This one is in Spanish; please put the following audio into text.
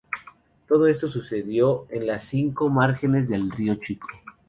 Todo esto sucedió en las márgenes del río Chico.